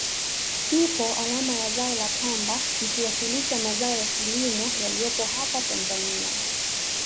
Ipo alama ya zao la pamba ikiwakilisha mazao ya kilimo yaliyopo apa Tanzania